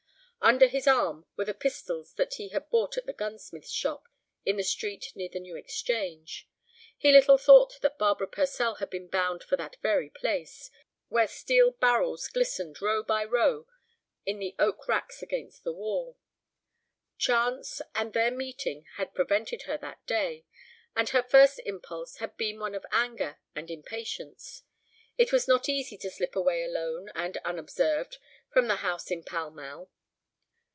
Under his arm were the pistols that he had bought at the gunsmith's shop in the street near the New Exchange. He little thought that Barbara Purcell had been bound for that very place, where steel barrels glistened row by row in the oak racks against the wall. Chance, and their meeting, had prevented her that day, and her first impulse had been one of anger and impatience. It was not easy to slip away alone and unobserved from the house in Pall Mall.